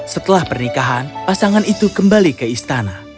setelah pernikahan pasangan itu kembali ke istana